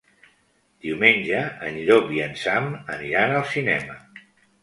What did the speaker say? Diumenge en Llop i en Sam aniran al cinema.